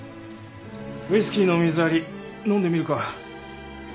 ウイスキーの水割り飲んでみるか？